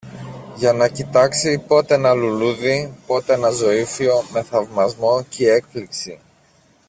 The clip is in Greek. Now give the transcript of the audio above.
για να κοιτάξει πότε ένα λουλούδι, πότε ένα ζωύφιο, με θαυμασμό κι έκπληξη